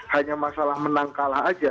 hanya masalah menang kalah aja